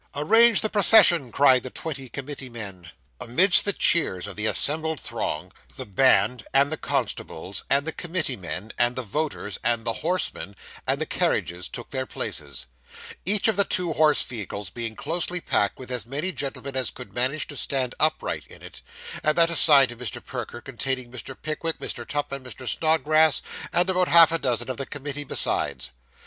'Arrange the procession,' cried the twenty committee men. Amidst the cheers of the assembled throng, the band, and the constables, and the committee men, and the voters, and the horsemen, and the carriages, took their places each of the two horse vehicles being closely packed with as many gentlemen as could manage to stand upright in it; and that assigned to Mr. Perker, containing Mr. Pickwick, Mr. Tupman, Mr. Snodgrass, and about half a dozen of the committee besides.